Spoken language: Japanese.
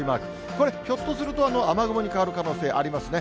これ、ひょっとすると雨雲に変わる可能性ありますね。